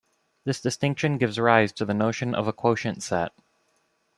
This distinction gives rise to the notion of a quotient set.